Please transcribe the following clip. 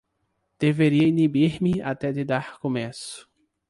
deveria inibir-me até de dar começo.